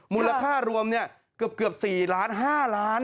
มูลค่ารวมเกือบ๔ล้าน๕ล้าน